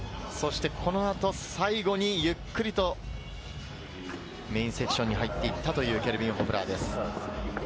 このあと最後にゆっくりとメインセクションに入っていったというケルビン・ホフラーです。